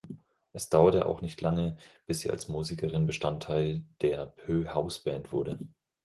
Es dauerte auch nicht lange, bis sie als Musikerin Bestandteil der Pö-Hausband wurde.